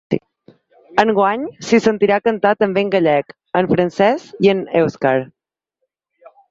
Enguany, s’hi sentirà cantar també en gallec, en francès i en èuscar.